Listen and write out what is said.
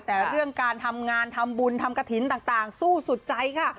แต่เรื่องการทำงานทำบุญทำกระถิ่นต่างสู้สุดใจค่ะ